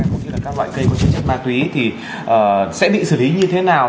cũng như là các loại cây có chứa chất ma túy thì sẽ bị xử lý như thế nào